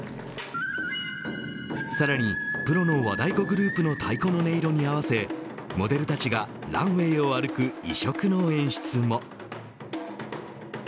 さらにプロの和太鼓グループの太鼓の音色に合わせモデルたちがランウェイを歩く異色の演出も。